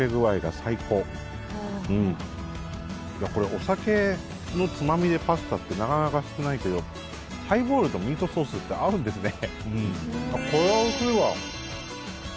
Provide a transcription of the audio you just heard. お酒のつまみでパスタってなかなか少ないけどハイボールとミートソースって合うんですね。